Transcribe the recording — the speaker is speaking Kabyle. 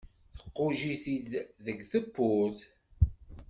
Tquǧǧ-it-id deg tewwurt.